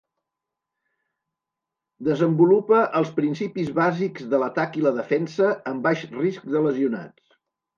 Desenvolupa els principis bàsics de l'atac i la defensa, amb baix risc de lesionats.